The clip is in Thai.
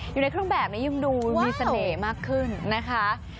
อยู่ในเครื่องแบบนี้ยิ่งดูมีเสน่ห์มากขึ้นนะคะ